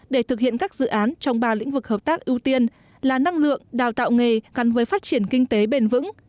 để thực hiện các dự án trong ba lĩnh vực hợp tác ưu tiên là năng lượng đào tạo nghề gắn với phát triển kinh tế bền vững